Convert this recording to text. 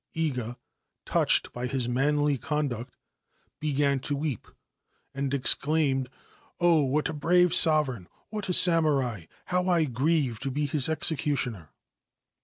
Iga, touched by his manly conduct, began to wee and exclaimed :* Oh, what a brave sovereign ! what a samurai ! He I grieve to be his executioner